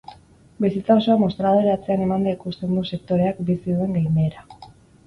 Bizitza osoa mostradore atzean emanda ikusten du sektoreak bizi duen gainbehera.